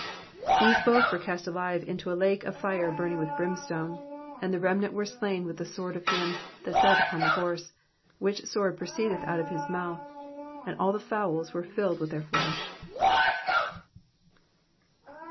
These both were cast alive into a lake of fire burning with brimstone. And the remnant were slain with the sword of him that sat upon the horse, which sword proceeded out of his mouth : and all the fowls were filled with their flesh."